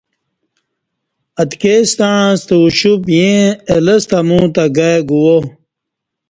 اتکی ستݩع ستہ اوشُپ ییں اہ لستہ ا مو تہ گائ گووا